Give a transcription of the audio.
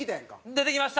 出てきました！